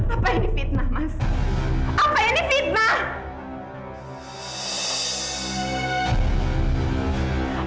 apa ini fitnah mas apa ini fitnah